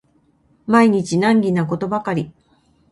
毎日難儀なことばかり